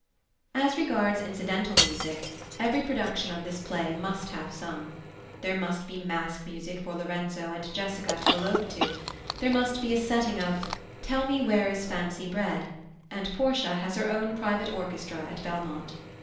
As regards incidental music, every production of this play must have some. There must be masque music for Lorenzo and Jessica to elope to; there must be a setting of "Tell me where is fancy bred"; and Portia has her own private orchestra at Belmont.